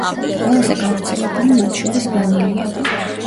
ყველაზე გავრცელებული მათ შორის ვანილია.